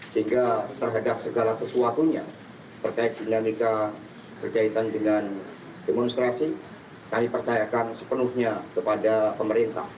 sehingga terhadap segala sesuatunya terkait dinamika berkaitan dengan demonstrasi kami percayakan sepenuhnya kepada pemerintah